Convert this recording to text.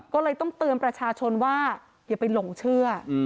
ก็เลยต้องเตือนประชาชนว่าอย่าไปหลงเชื่อ